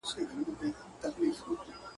مړی نه ارزي، چي و ارزي کفن څيري.